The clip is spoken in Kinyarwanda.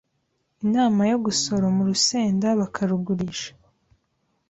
inama yo gusoroma urusenda bakarugurisha